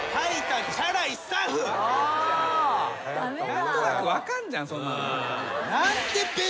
何となく分かんじゃんそんなの。